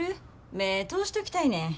目ぇ通しときたいねん。